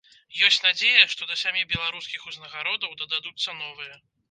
Ёсць надзея, што да сямі беларускіх узнагародаў дададуцца новыя.